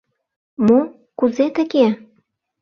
Мо, кузе тыге?